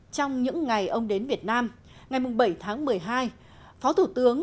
trong những ngày ông đến việt nam ngày bảy tháng một mươi hai